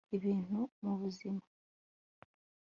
Ibintu mubuzima